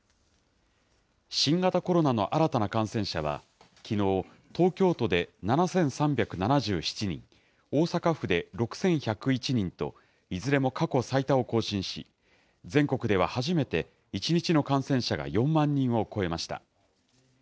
新型コロナの新たな感染者はきのう、東京都で７３７７人、大阪府で６１０１人と、いずれも過去最多を更新し、全国では初めて、１日の感染者が４万人を超えました。